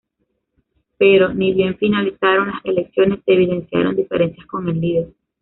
Pero, ni bien finalizaron las elecciones, se evidenciaron diferencias con el líder.